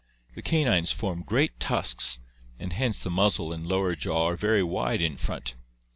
The canines form great tusks and hence the muzzle and lower jaw are very wide in front.